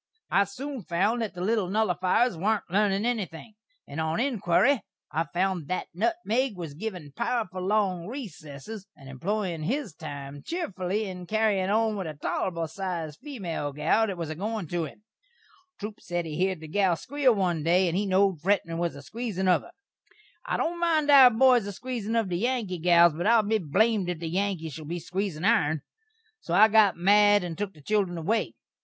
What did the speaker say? I soon found that the little nullifiers warn't lernin' enything, and on inquiry I found that nutmeg was a givin' powerful long recessess, and employin' his time cheefly in carryin' on with a tolerbul sized female gal that was a goin' to him. Troup sed he heerd the gal squeel one day, and he knowed Fretman was a squeezin' of her. I don't mind our boys a squeezin' of the Yankee gals, but I'll be blamed if the Yankees shall be a squeezin' ourn. So I got mad and took the children away.